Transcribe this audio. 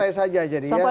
santai saja jadi ya